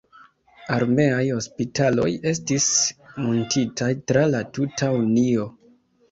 Armeaj hospitaloj estis muntitaj tra la tuta Unio.